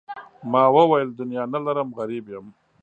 ما وویل دنیا نه لرم غریب یم.